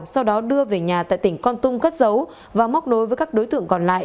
sau đó đưa về nhà tại tỉnh con tum cất dấu và móc nối với các đối tượng còn lại